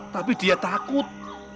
tapi dia takut